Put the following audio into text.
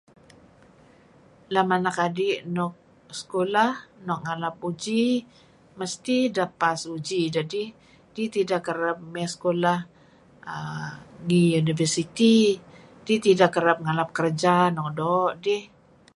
Lem anak adi' nük sekulah nuk ngalap uji, mesti ideh pass uji dedih dih tideh kereb mey sekulah ngih university dih tideh kereb nekap kereja nuk doo' dih.